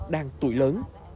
đang tuổi lớn